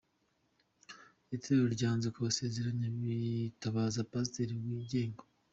Itorero ryanze kubasezeranya bitabaza Pasiteri wigenga